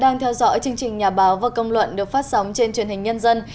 đang theo dõi chương trình nhà báo và công luận được phát sóng trên truyền hình nhân dân